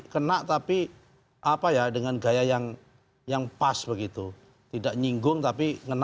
kena tapi apa ya dengan gaya yang